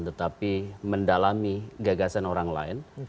tetapi mendalami gagasan orang lain